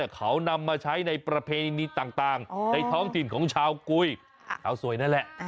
เขานำมาใช้ในประเพณีต่างในท้องถิ่นของชาวกุยชาวสวยนั่นแหละ